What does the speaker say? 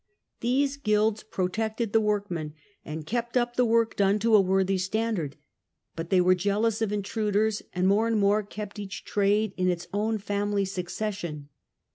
These guilds pro tected the workmen and kept up the work done to a worthy standard; but they were jealous of intruders, and more and more kept each trade in its own family succession.